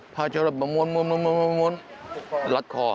พาชรัพย์มาม้วนลัดคอ